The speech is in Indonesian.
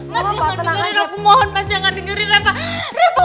mas jangan dengerin aku mohon mas jangan dengerin reva